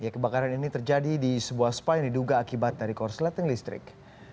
kebakaran ini terjadi di sebuah spa yang diduga akibat dari korsleting listrik